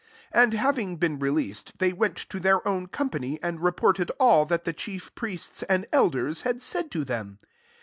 23 And having been releas ed, they went to their own com pany, and reported all that the chief priests and elders had said to them.